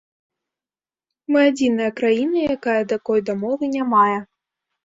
Мы адзіная краіна, якая такой дамовы не мае.